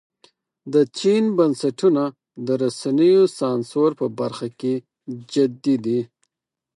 د چین بنسټونه د رسنیو سانسور په برخه کې جدي دي.